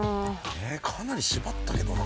えかなり縛ったけどな。